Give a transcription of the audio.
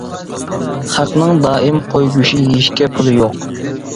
خەقنىڭ دائىم قوي گۆشى يېيىشكە پۇلى يوق.